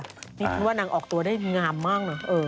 นี่ฉันว่านางออกตัวได้งามมากนะ